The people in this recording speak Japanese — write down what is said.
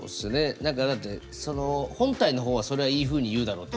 何かだってその本体の方はそれはいいふうに言うだろうって。